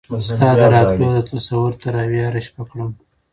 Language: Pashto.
ستا د راتلو د تصور تراوېح هره شپه کړم